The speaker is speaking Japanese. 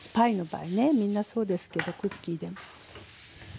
みんなそうですけどクッキーでも。